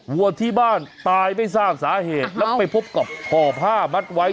วัวที่บ้านตายไม่ทราบสาเหตุแล้วไปพบกับห่อผ้ามัดไว้